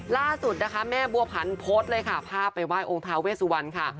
ล่าสุดนะคะแม่บัวพันธ์พศเลยค่ะพาไปว่ายองค์พาเวซวัณค่ะ